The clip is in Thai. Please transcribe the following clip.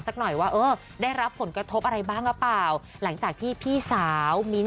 สักหน่อยว่าเออได้รับผลกระทบอะไรบ้างหรือเปล่าหลังจากที่พี่สาวมิ้นท